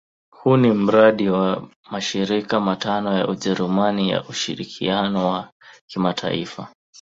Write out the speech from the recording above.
Huu ni mradi wa mashirika matano ya Ujerumani ya ushirikiano wa kimataifa.